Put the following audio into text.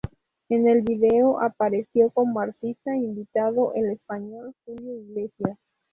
En el vídeo apareció como artista invitado el español Julio Iglesias.